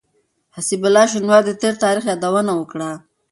حسيب الله شينواري د تېر تاريخ يادونه وکړه.